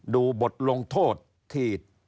ดูบทลงโทษที่